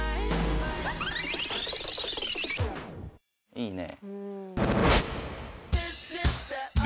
いいね。